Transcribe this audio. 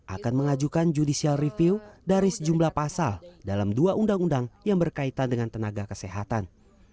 akan mengajukan judicial review dari sejumlah pasal dalam dua undang undang yang berkaitan dengan tenaga kesehatan